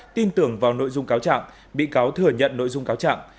tin tưởng vào nội dung cáo trạng bị cáo thừa nhận nội dung cáo trạng